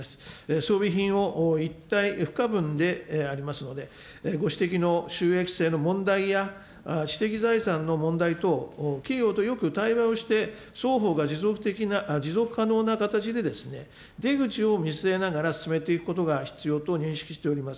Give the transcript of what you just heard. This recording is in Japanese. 装備品は一体不可分でありますので、ご指摘の収益性の問題や、知的財産の問題等、企業とよく対話をして双方が持続可能な形で、出口を見据えながら進めていくことが必要と認識しております。